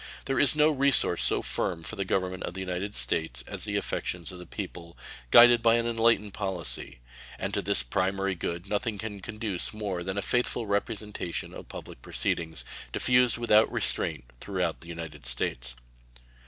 There is no resource so firm for the Government of the United States as the affections of the people, guided by an enlightened policy; and to this primary good nothing can conduce more than a faithful representation of public proceedings, diffused without restraint throughout the United States.